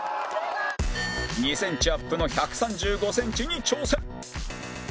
２センチアップの１３５センチに挑戦